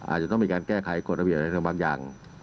อาจจะต้องมีการแก้ไขกฎระเบียบอะไรบางอย่าง